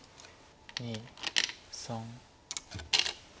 ２３。